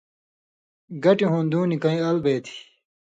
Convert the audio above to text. گٹی ہُوݩدوں نِکئ ال بے تھی۔